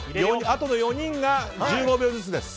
あとの４人が１５秒ずつです。